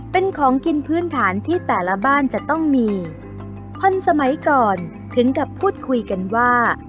เป็นของกินพื้นฐานที่แต่ละบ้านจะต้องมีคนสมัยก่อนถึงกับพูดคุยกันว่า